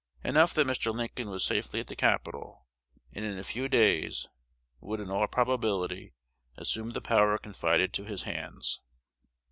Enough that Mr. Lincoln was safely at the capital, and in a few days would in all probability assume the power confided to his hands.